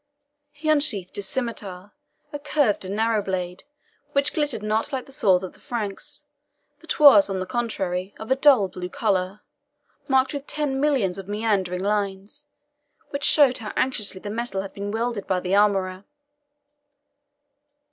He unsheathed his scimitar, a curved and narrow blade, which glittered not like the swords of the Franks, but was, on the contrary, of a dull blue colour, marked with ten millions of meandering lines, which showed how anxiously the metal had been welded by the armourer.